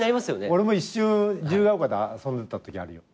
俺も一瞬自由が丘で遊んでたときあるよ。